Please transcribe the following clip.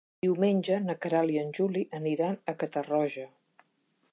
Diumenge na Queralt i en Juli aniran a Catarroja.